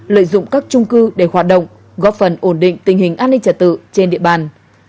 lợi dụng các trung cư để hoạt động góp phần ổn định tình hình an ninh trả tự trên địa bàn